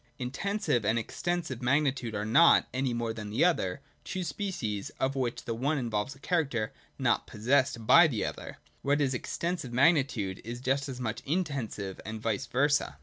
Intensive and Extensive magnitude are not, any more than the other, two species, of which the one involves a character not possessed by the other : what is Extensive magnitude is just as much Intensive, and vice versa.